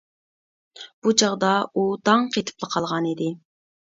بۇ چاغدا ئۇ داڭ قېتىپلا قالغانىدى.